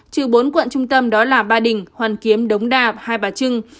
trừ bốn quận trung tâm đó là ba đình hoàn kiếm đống đa và hai bà trưng